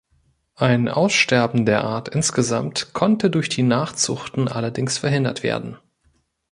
Ein Aussterben der Art insgesamt konnte durch die Nachzuchten allerdings verhindert werden.